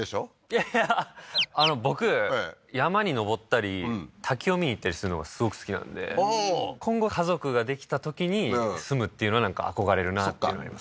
いやいや僕山に登ったり滝を見に行ったりするのがすごく好きなんでああー今後家族ができたときに住むっていうのはなんか憧れるなっていうのはあります